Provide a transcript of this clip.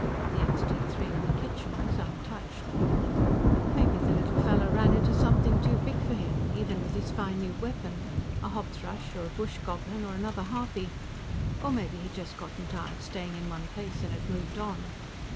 The Extee Three in the kitchen was untouched. Maybe the little fellow ran into something too big for him, even with his fine new weapon a hobthrush, or a bush goblin, or another harpy. Or maybe he'd just gotten tired staying in one place, and had moved on.